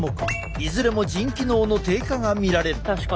いずれも腎機能の低下が見られる。